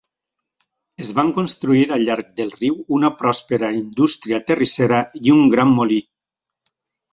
Es van construir al llarg del riu una pròspera indústria terrissera i un gran molí.